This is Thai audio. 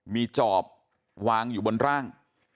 มีจอบวางอยู่บนร่าง